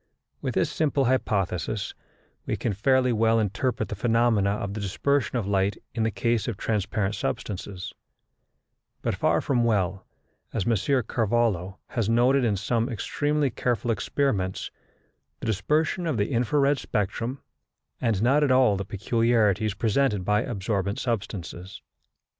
With this simple hypothesis we can fairly well interpret the phenomena of the dispersion of light in the case of transparent substances; but far from well, as M. Carvallo has noted in some extremely careful experiments, the dispersion of the infra red spectrum, and not at all the peculiarities presented by absorbent substances.